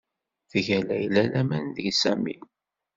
Tga Layla laman deg Sami.